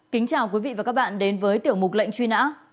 kính chào quý vị và các bạn đến với tiểu mục lệnh truy nã